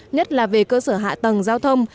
nhất là về cơ sở hạ tầng giao thông